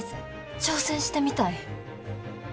挑戦してみたい。